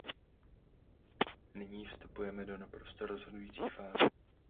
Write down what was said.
Nyní vstupujeme do naprosto rozhodující fáze.